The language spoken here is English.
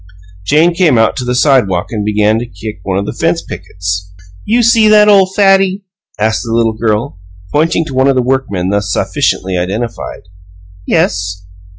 Jane came out to the sidewalk and began to kick one of the fence pickets. "You see that ole fatty?" asked the little girl, pointing to one of the workmen, thus sufficiently identified. "Yes."